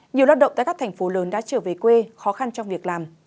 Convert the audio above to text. nhiều lao động tại các thành phố lớn đã trở về quê khó khăn trong việc làm